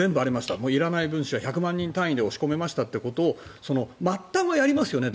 いらない文書１００万人単位で押し込めましたということを末端はやりますよね。